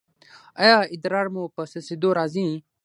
ایا ادرار مو په څڅیدو راځي؟